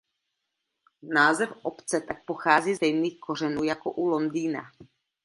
Název obce tak pochází ze stejných kořenů jako u Londýna.